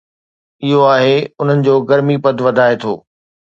اهو آهي، انهن جو گرمي پد وڌائي ٿو